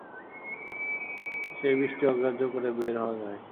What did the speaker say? সেই বৃষ্টি অগ্রাহ্য করে বের হওয়া যায়।